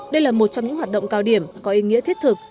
đây là một trong những hoạt động cao điểm có ý nghĩa thiết thực